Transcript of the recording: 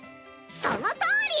そのとおり！